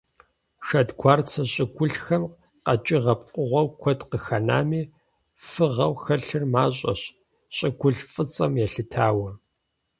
Шэдгуарцэ щӀыгулъхэм къэкӀыгъэ пкъыгъуэу куэд къыхэнами, фыгъэу хэлъыр мащӀэщ, щӀыгулъ фӀыцӀэм елъытауэ.